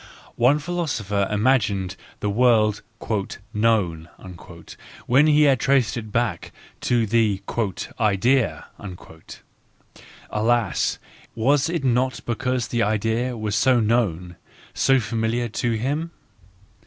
. One philosopher imagined the world " known " when he had traced it back to the " idea ": alas, was it not because the idea was so known, so familiar to him